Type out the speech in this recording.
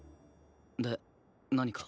で何か？